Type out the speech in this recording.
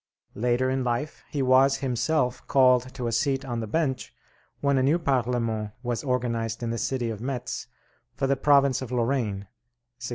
Later in life he was himself called to a seat on the bench, when a new Parlement was organized in the city of Metz for the province of Lorraine (1638).